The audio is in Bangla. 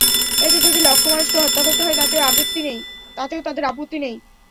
এতে যদি লক্ষ মানুষকে হত্যা করতে হয়, তাতেও তাদের আপত্তি নেই।